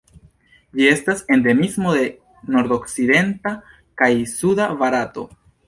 Ĝi estas endemismo de nordokcidenta kaj suda Barato.